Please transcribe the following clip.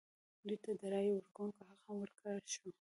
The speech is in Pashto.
دوی ته د رایې ورکونې حق هم ورکړل شو.